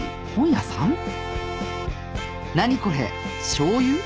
しょうゆ？